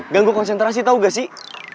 ganggu konsentrasi tahu gak sih